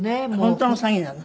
本当の詐欺なの？